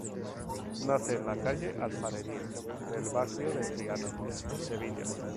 Nace en la Calle Alfarería del Barrio de Triana, Sevilla.